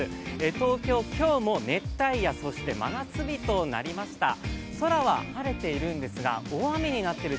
東京、今日も熱帯夜、そして真夏日となりました空は晴れているんですが大雨になってる